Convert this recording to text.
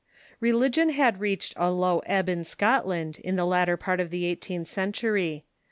Religion had reached a low ebb in Scotland in the latter part of the eighteenth century.